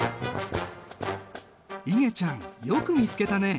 いげちゃんよく見つけたね。